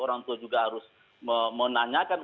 orang tua juga harus menanyakan